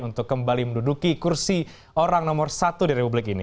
untuk kembali menduduki kursi orang nomor satu di republik ini